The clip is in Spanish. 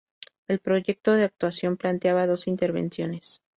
El proyecto de actuación planteaba dos intervenciones.